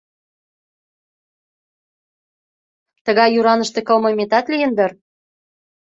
Тыгай йӱраныште кылмыметат лийын дыр?